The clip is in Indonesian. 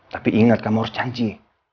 tapi ingat kamu harus janji